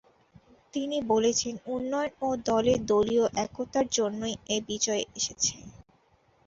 তিনি বলেছেন, উন্নয়ন ও দলের দলীয় একতার জন্যই এ বিজয় এসেছে।